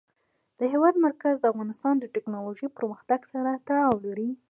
د هېواد مرکز د افغانستان د تکنالوژۍ پرمختګ سره تړاو لري.